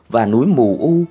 và núi mù u